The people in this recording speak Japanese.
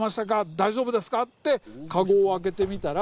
大丈夫ですか？ってかごを開けてみたら。